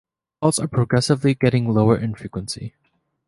Calls are progressively getting lower in frequency.